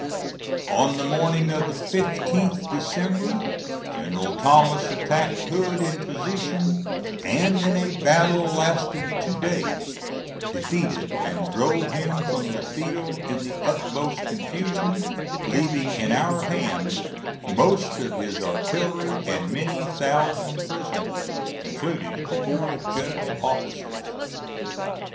On the morning of the 15th December, General Thomas attacked Hood in position, and, in a battle lasting two days, defeated and drove him from the field in the utmost confusion, leaving in our hand most of his artillery and many thousand prisoners, including four general officers.